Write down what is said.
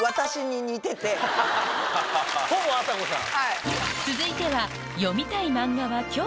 ほぼあさこさん？